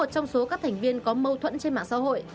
khi sinh viên có mâu thuẫn trên mạng xã hội